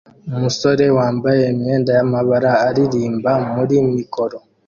Umusore wambaye imyenda y'amabara aririmba muri mikoro